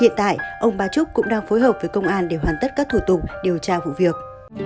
hiện tại ông ba trúc cũng đang phối hợp với công an để hoàn tất các thủ tục điều tra vụ việc